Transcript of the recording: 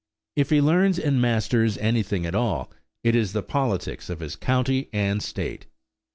If he learns and masters anything at all, it is the politics of his county and state.